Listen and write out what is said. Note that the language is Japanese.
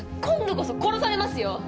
今度こそ殺されますよ